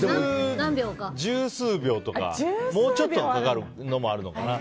十数秒とかもうちょっとかかるのもあるかな。